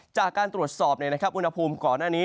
จากการตรวจสอบอุณหภูมิก่อนหน้านี้